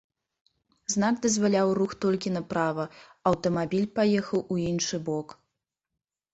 Знак дазваляў рух толькі направа, а аўтамабіль паехаў у іншы бок.